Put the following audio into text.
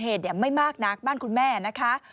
เข้ามาปรับนะฮะ